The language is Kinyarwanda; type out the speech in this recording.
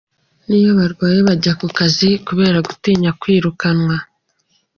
N’iyo barwaye bajya ku kazi kubera gutinya kwirukanwa